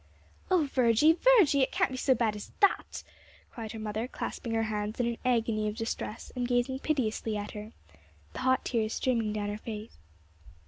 "O Virgie, Virgie! it can't be so bad as that!" cried her mother, clasping her hands in an agony of distress, and gazing piteously at her, the hot tears streaming down her face.